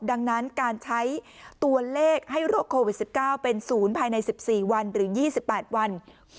ดังนั้นการใช้ตัวเลขให้โรคโควิด๑๙เป็นศูนย์ภายใน๑๔วันหรือ๒๘วัน